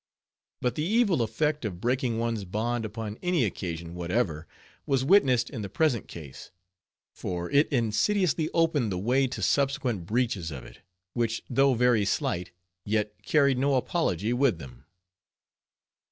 But the evil effect of breaking one's bond upon any occasion whatever, was witnessed in the present case; for it insidiously opened the way to subsequent breaches of it, which though very slight, yet carried no apology with them.